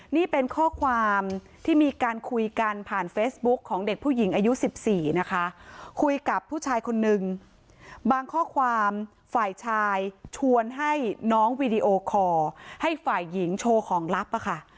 นี่เป็นข้อความที่มีการคุยกันผ่านเฟซบุ๊กของเด็กผู้หญิงอายุ๑๔นะคะคุยกับผู้ชายคนนึงบางข้อความฝ่ายชายชวนให้น้องวีดีโอคอร์ให้ฝ่ายหญิงโชว์ของลับค่ะ